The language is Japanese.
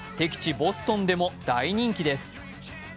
ボストンでも大人気です。